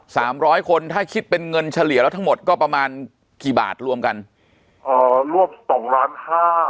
สามร้อยคนถ้าคิดเป็นเงินเฉลี่ยแล้วทั้งหมดก็ประมาณกี่บาทรวมกันอ่ารวบสองล้านห้า